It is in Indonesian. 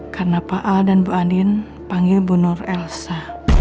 karena pak al dan bu andien panggil bu nur elsa